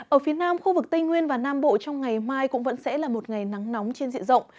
ở phía nam khu vực tây nguyên và nam bộ trong ngày mai cũng vẫn sẽ là một ngày nắng nóng trên diện rộng